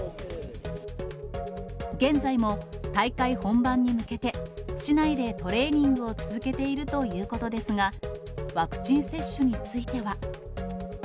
現在も大会本番に向けて、市内でトレーニングを続けているということですが、ワクチン接種については。